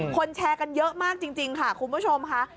แชร์กันเยอะมากจริงค่ะคุณผู้ชมค่ะ